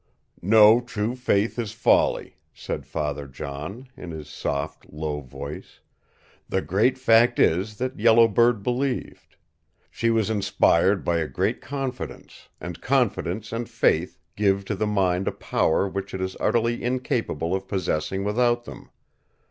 "No true faith is folly," said Father John, in his soft, low voice. "The great fact is that Yellow Bird believed. She was inspired by a great confidence, and confidence and faith give to the mind a power which it is utterly incapable of possessing without them.